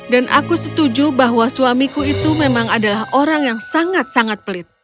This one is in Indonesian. dan aku setuju bahwa suamiku itu memang adalah orang yang sangat sangat pelit